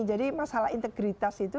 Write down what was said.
jadi masalah integritas itu